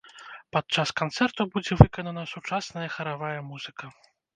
Падчас канцэрту будзе выканана сучасная харавая музыка.